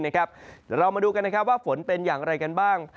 เรามาดูกันว่าฝนเป็นอย่างไรกันบ้าง